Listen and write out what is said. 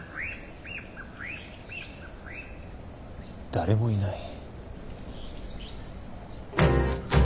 誰もいない。